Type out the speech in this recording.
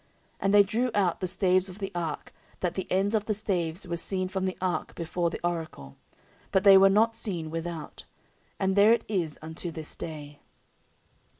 14:005:009 And they drew out the staves of the ark, that the ends of the staves were seen from the ark before the oracle; but they were not seen without. And there it is unto this day.